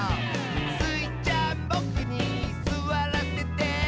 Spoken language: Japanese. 「スイちゃんボクにすわらせて？」